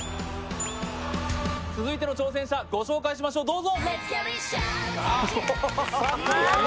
続いての挑戦者、ご紹介しましょう、どうぞ！